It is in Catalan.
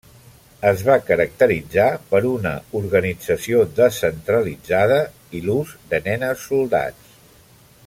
Es va caracteritzar per una organització descentralitzada i l'ús de nenes soldats.